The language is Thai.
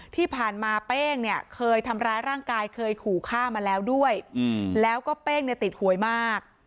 ที่ผ่านมาเป้งเนี่ยเคยทำร้ายร่างกายเคยขู่ฆ่ามาแล้วด้วยแล้วก็เป้งเนี่ยติดหวยมาก